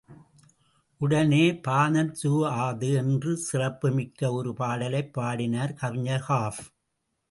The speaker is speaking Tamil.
உடனே, பானத் ஸுஆது என்ற சிறப்பு மிக்க ஒரு பாடலைப் பாடினார் கவிஞர் கஃப்.